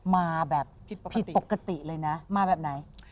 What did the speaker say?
มาแบบผิดปกติเลยนะมาแบบไหน